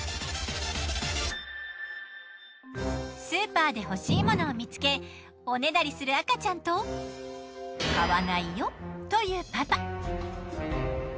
スーパーで欲しいものを見つけおねだりする赤ちゃんと買わないよというパパ。